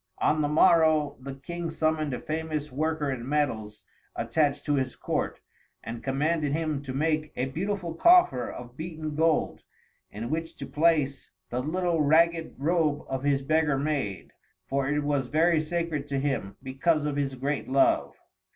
On the morrow the King summoned a famous worker in metals attached to his court, and commanded him to make a beautiful coffer of beaten gold, in which to place the little ragged robe of his beggar maid; for it was very sacred to him because of his great love.